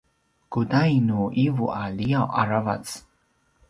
kudain nu ’ivu a liaw aravac?